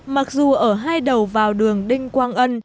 mặc dù ở hai đầu vào đường đinh quang ân